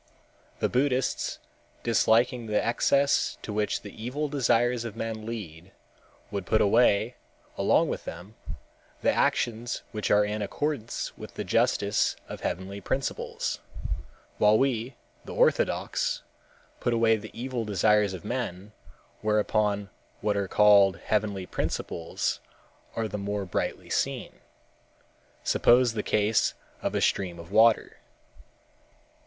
"The Buddhists, disliking the excesses to which the evil desires of men lead, would put away, along with them, the actions which are in accordance with the justice of heavenly principles, while we, the orthodox, put away the evil desires of men, whereupon what are called heavenly principles are the more brightly seen. Suppose the case of a stream of water.